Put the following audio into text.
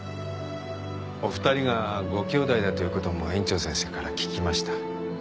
お二人がごきょうだいだということも園長先生から聞きました。